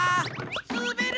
すべる！